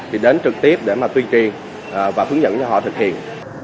thì đến trực tiếp để mà tuyên truyền và hướng dẫn cho họ thực hiện